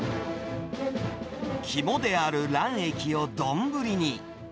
肝である卵液を丼に。